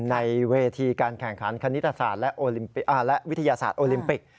ในเวทีการแข่งขันคณิตศาสตร์และวิทยาศาสตร์โอลิมปิก